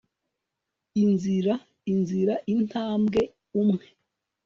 INZIRAINZIRA INTAMBWE UMWE